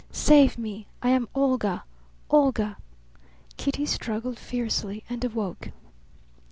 "Save me! I am Olga, Olga!" Kitty struggled fiercely and awoke.